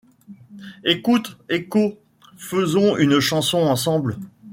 Écoute, Écho, faisons une chanson ensemble.